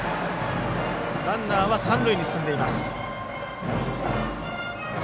ランナーは三塁に進んでいます。